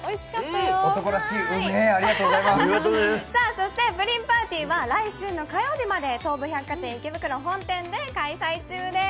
そしてプリンパーティーは来週火曜日まで東武百貨店池袋本店で開催中です。